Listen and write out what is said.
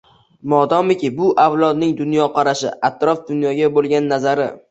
Modomiki bu avlodning dunyoqarashi, atrof-dunyoga bo‘lgan nazari